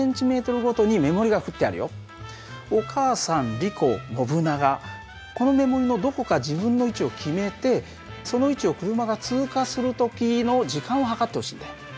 リコノブナガこの目盛りのどこか自分の位置を決めてその位置を車が通過する時の時間を計ってほしいんだ。